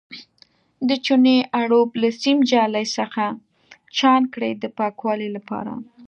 د چونې اړوب له سیم جالۍ څخه چاڼ کړئ د پاکوالي لپاره.